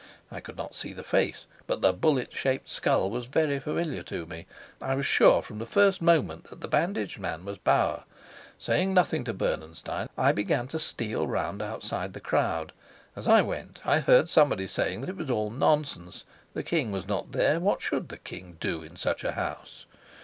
I could not see the face, but the bullet shaped skull was very familiar to me. I was sure from the first moment that the bandaged man was Bauer. Saying nothing to Bernenstein, I began to steal round outside the crowd. As I went, I heard somebody saying that it was all nonsense; the king was not there: what should the king do in such a house?